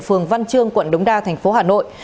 phường văn trương quận đống đa thành phố hà nội